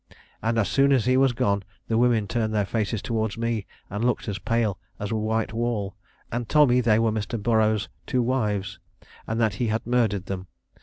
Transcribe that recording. And as soon as he was gone, the women turned their faces towards me, and looked as pale as a white wall; and told me they were Mr. Burroughs's two wives, and that he had murdered them.